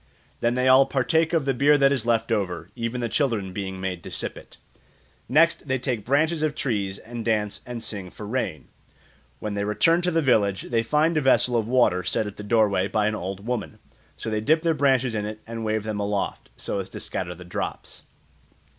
Then they all partake of the beer that is left over, even the children being made to sip it. Next they take branches of trees and dance and sing for rain. When they return to the village they find a vessel of water set at the doorway by an old woman; so they dip their branches in it and wave them aloft, so as to scatter the drops.